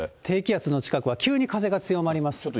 低気圧の近くは急に風が強まります。